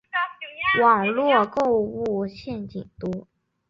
网路购物陷阱多